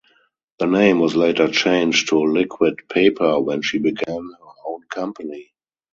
The name was later changed to Liquid Paper when she began her own company.